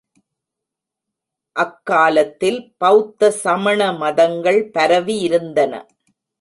அக்காலத்தில் பௌத்த சமண மதங்கள் பரவியிருந்தன.